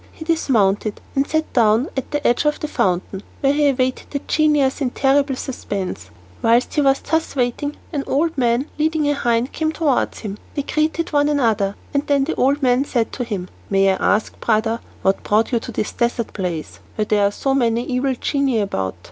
He dismounted, and sat down at the edge of the fountain, where he awaited the genius in terrible suspense. Whilst he was thus waiting an old man leading a hind came towards him. They greeted one another, and then the old man said to him, "May I ask, brother, what brought you to this desert place, where there are so many evil genii about?